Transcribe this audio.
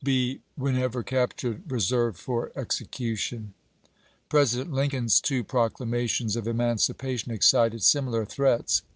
. be, whenever captured, reserved for execution." President Lincoln's two proclamations of eman cipation excited similiar threats.